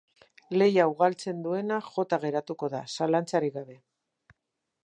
Lehia hau galtzen duena jota geratuko da, zalantzarik gabe.